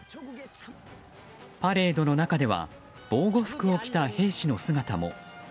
パレードの中では防護服を着た兵士の姿も。